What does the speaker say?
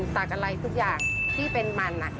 ตักอะไรทุกอย่างที่เป็นมัน